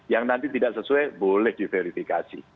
yang nanti tidak sesuai boleh diverifikasi